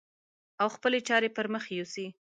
او خپلې چارې پر مخ يوسي.